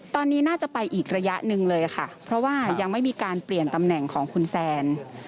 ตอนนี้น่าจะไปอีกระยะหนึ่งเลยค่ะเพราะว่ายังไม่มีการเปลี่ยนตำแหน่งของคุณแซน